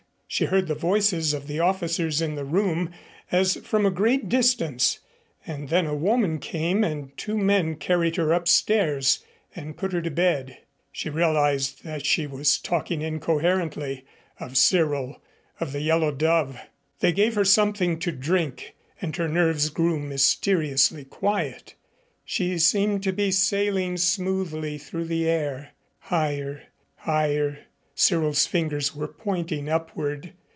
She heard the voices of the officers in the room as from a great distance, and then a woman came and two men carried her upstairs and put her to bed. She realized that she was talking incoherently of Cyril, of the Yellow Dove. They gave her something to drink and her nerves grew mysteriously quiet. She seemed to be sailing smoothly through the air higher, higher Cyril's fingers were pointing upward.